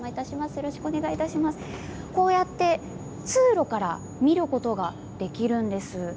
こうやって通路から見ることができるんです。